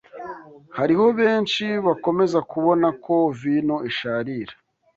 Hariho benshi bakomeza kubona ko vino isharira